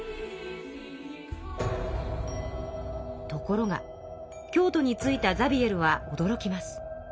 ところが京都に着いたザビエルはおどろきます。